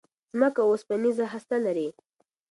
ځمکه اوسپنيزه هسته لري.